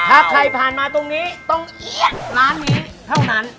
ถ้าใครผ่านมาตรงนี้ต้องเอียดร้านนี้เท่านั้น